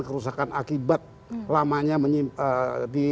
faktor keuntungan adalah mereka harus menggunakan a hastik